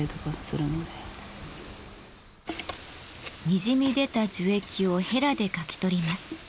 にじみ出た樹液をヘラでかき取ります。